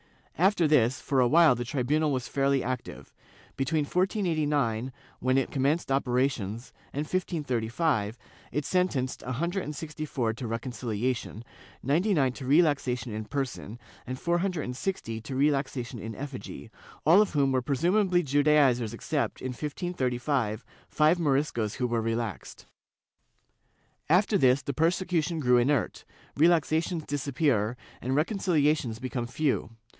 After this, for awhile the tribunal was fairly active. Between 1489, when it commenced operations, and 1535 it sentenced a hundred and sixty four to reconciliation, ninety nine to relaxation in person, and four hundred and sixty to relaxation in effigy, all of whom presumably were Judaizers except, in 1535, five Moriscos who were relaxed.^ After this, persecution grew inert, relaxations disappear and reconciliations become few.